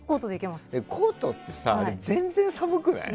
コートってさ、全然寒くない？